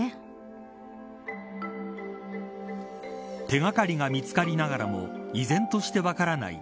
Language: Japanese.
手掛かりが見つかりながらも依然として分からない